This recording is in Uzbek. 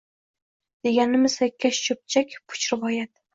Deganimiz yakkash choʼpchak, puch rivoyat.